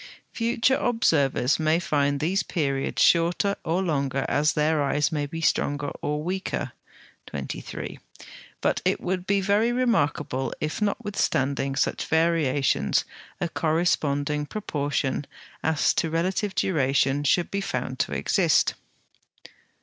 Future observers may find these periods shorter or longer as their eyes may be stronger or weaker (23), but it would be very remarkable if, notwithstanding such variations, a corresponding proportion as to relative duration should be found to exist.